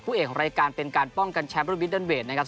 เอกของรายการเป็นการป้องกันแชมป์รุ่นมิเตอร์เวทนะครับ